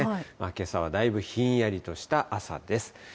けさはだいぶひんやりとした朝です。